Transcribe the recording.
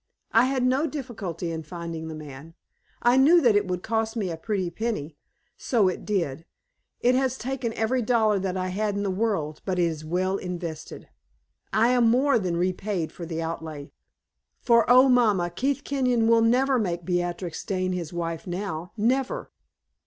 I had no difficulty in finding the man. I knew that it would cost me a pretty penny; so it did. It has taken every dollar that I had in the world, but it is well invested. I am more than repaid for the outlay; for, oh, mamma, Keith Kenyon will never make Beatrix Dane his wife now never!